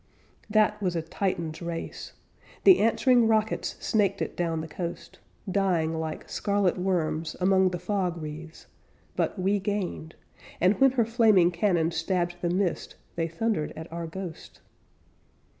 That was a Titan's race; The answering rockets snaked it down the coast, Dying like scarlet worms Among the fog wreaths; but we gained, And when her flaming cannon stabbed the mist They thundered at our ghost.